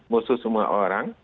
musuh semua orang